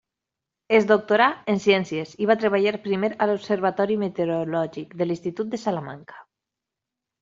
Es doctorà en Ciències i va treballar primer a l'Observatori Meteorològic de l'Institut de Salamanca.